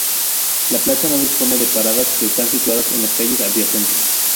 La plaza no dispone de paradas, que están situadas en las calles adyacentes.